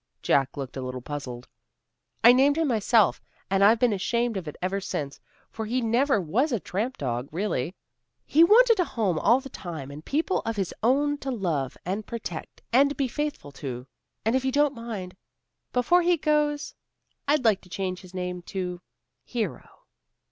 Jack looked a little puzzled. "I named him myself, and I've been ashamed of it ever since. For he never was a tramp dog, really. He wanted a home all the time, and people of his own to love and protect and be faithful to. And, if you don't mind, before he goes I'd like to change his name to Hero."